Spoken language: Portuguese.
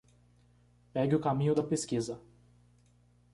Pegue o caminho da pesquisa